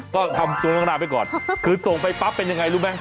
ก็ทำตัวน้องนาไปก่อนคือส่งไปปั๊บเป็นยังไงรู้ไหม